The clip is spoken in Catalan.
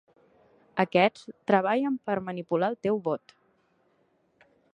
Aquests treballen per manipular el teu vot.